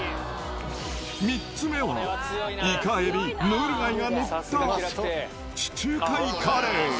３つ目は、イカ、エビ、ムール貝が載った地中海カレー。